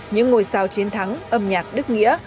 những ngôi sao chiến thắng âm nhạc đức nghĩa